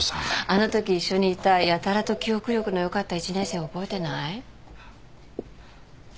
あのとき一緒にいたやたらと記憶力の良かった１年生覚えてない？